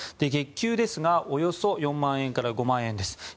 月給ですがおよそ４万円から５万円です。